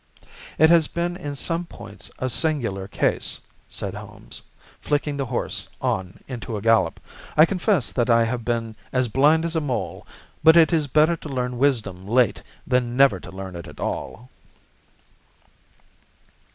"It has been in some points a singular case," said Holmes, flicking the horse on into a gallop. "I confess that I have been as blind as a mole, but it is better to learn wisdom late than never to learn it at all."